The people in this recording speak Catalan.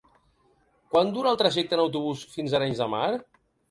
Quant dura el trajecte en autobús fins a Arenys de Mar?